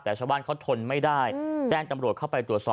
แต่ชาวบ้านเขาทนไม่ได้แจ้งตำรวจเข้าไปตรวจสอบ